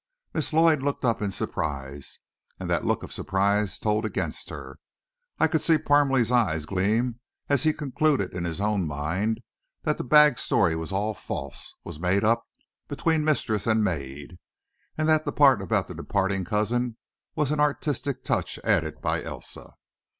Miss Lloyd looked up in surprise, and that look of surprise told against her. I could see Parmalee's eyes gleam as he concluded in his own mind that the bag story was all false, was made up between mistress and maid, and that the part about the departing cousin was an artistic touch added by Elsa.